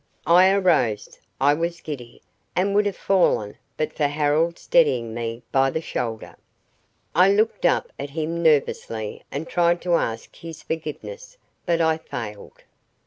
I arose. I was giddy, and would have fallen but for Harold steadying me by the shoulder. I looked up at him nervously and tried to ask his forgiveness, but I failed.